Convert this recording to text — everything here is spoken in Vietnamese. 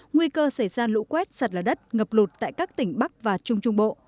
nguy cơ xảy ra lũ quét sạt lở đất ngập lụt tại các tỉnh bắc và trung trung bộ